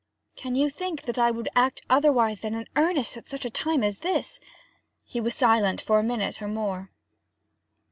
'Can you think that I would act otherwise than in earnest at such a time as this?' He was silent for a minute or more.